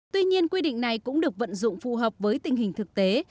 tuy nhiên quy định này cũng được vận dụng phù hợp với tình hình thực tế